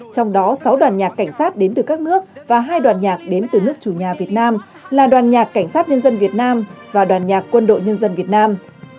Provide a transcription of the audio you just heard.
trong đó sáu đoàn nhạc cảnh sát đến từ các nước và hai đoàn nhạc đến từ nước chủ nhà việt nam là đoàn nhạc cảnh sát nhân dân việt nam và đoàn nhạc quân đội nhân dân việt nam